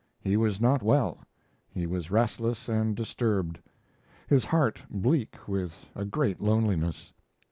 He was not well; he was restless and disturbed; his heart bleak with a great loneliness.